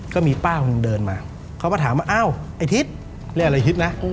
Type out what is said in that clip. ก็มีป้าคนหนึ่งเดินมาเขามาถามว่าอ้าวไอ้ทิศเรียกอะไรฮิตนะ